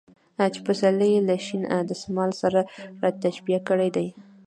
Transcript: چې پسرلى يې له شين دسمال سره تشبيه کړى دى .